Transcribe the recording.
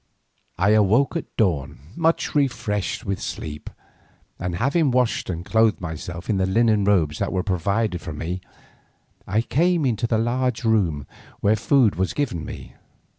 I awoke at dawn much refreshed with sleep, and having washed and clothed myself in the linen robes that were provided for me, I came into the large room, where food was given me.